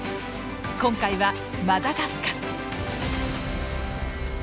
今回はマダガスカル。